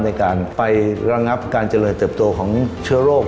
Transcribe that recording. ในการไประงับการเจริญเติบโตของเชื้อโรค